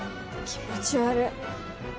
気持ち悪っ。